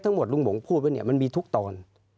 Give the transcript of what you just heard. ทั้งหมดลุงหมงพูดว่าเนี่ยมันมีทุกตอน